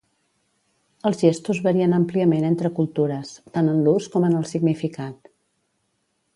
Els gestos varien àmpliament entre cultures, tant en l'ús com en el significat.